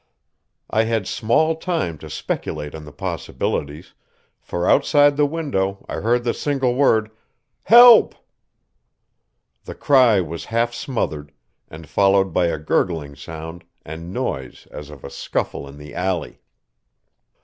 I had small time to speculate on the possibilities, for outside the window I heard the single word, "Help!" The cry was half smothered, and followed by a gurgling sound and noise as of a scuffle in the alley.